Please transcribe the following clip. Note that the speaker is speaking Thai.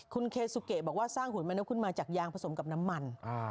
คุณเคซูเกะบอกว่าสร้างหุยมะนกขึ้นมาจากยางผสมกับน้ำมัน